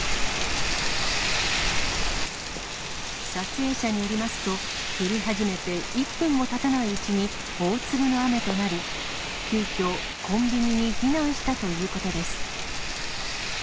撮影者によりますと、降り始めて１分もたたないうちに、大粒の雨となり、急きょ、コンビニに避難したということです。